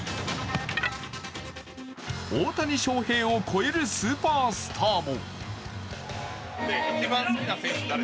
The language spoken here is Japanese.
大谷翔平を超えるスーパースターも。